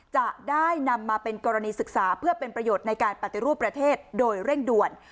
จะได้นำมาเป็นกรณีศึกษาเพื่อเป็นประโยชน์ในการปฏิรูปประเทศโดยเร่งด่วน